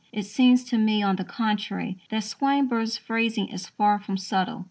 It seems to me, on the contrary, that Swinburne's phrasing is far from subtle.